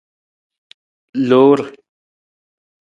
Lore.